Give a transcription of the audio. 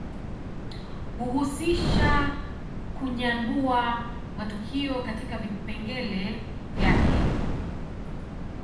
Huhusisha kunyambua matukio katika vipengele vyake